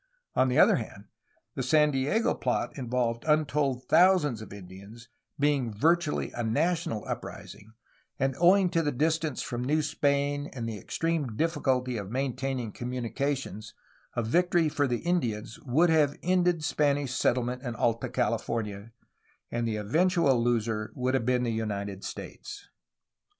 On the other hand the San Diego plot involved untold thousands of Indians, being virtually a national uprising, and owing to the distance from New Spain and the extreme difficulty of maintaining communica tions a victory for the Indians would have ended Spanish settlement in Alta California, — and the eventual loser would have been the United States.